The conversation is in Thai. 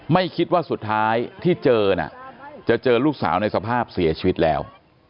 ไม่คิดว่าสุดท้ายที่เจอน่ะจะเจอลูกสาวในสภาพเสียชีวิตแล้ว